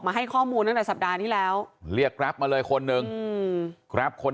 มาให้ข้อมูลนั้นแต่สัปดาห์นี้แล้วเรียกมาเลยคนหนึ่งคน